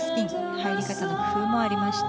入り方の工夫もありました。